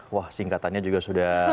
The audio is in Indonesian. wah singkatannya juga sudah